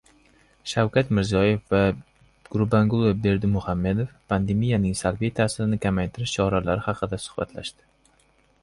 Shavkat Mirziyoyev va Gurbanguli Berdimuhamedov pandemiyaning salbiy ta’sirini kamaytirish choralari haqida suhbatlashdi